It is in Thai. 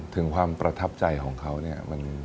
ถึงความประทับใจของเขาเนี่ย